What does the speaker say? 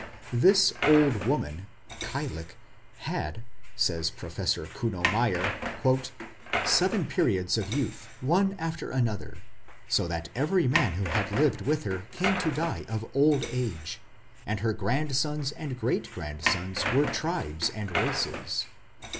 This "old woman" (Cailleach) "had", says Professor Kuno Meyer, "seven periods of youth one after another, so that every man who had lived with her came to die of old age, and her grandsons and great grandsons were tribes and races".